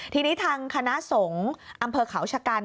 ทีนี้ทางคณะสงฆ์อำเภอเขาชะกัน